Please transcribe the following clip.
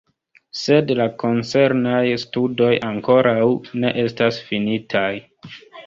Sed la koncernaj studoj ankoraŭ ne estas finitaj.